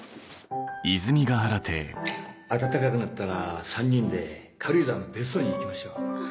ありがとう。暖かくなったら３人で軽井沢の別荘に行きましょう。